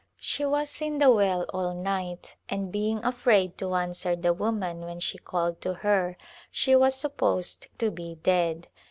She was in the well all night and being afraid to answer the woman when she called to her she was supposed to be dead.